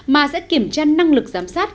mà sẽ kiểm tra năng lực giám sát